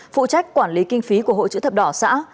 phụ trách quản lý kinh phí của hội chữ thập đỏ xã